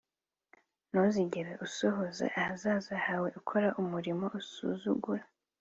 ntuzigera usohoza ahazaza hawe ukora umurimo usuzugura